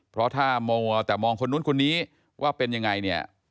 เพราะถ้ามัวแต่มองคนนู้นคนนี้ว่าเป็นยังไงเนี่ย